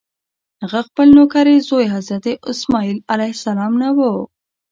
هغه خپل نوکرې زوی حضرت اسماعیل علیه السلام نه و.